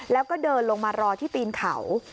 แล้วก็เดินลงมารอที่ตีนเขา